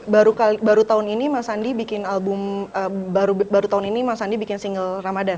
baru tahun ini mas andi bikin album baru tahun ini mas andi bikin single ramadhan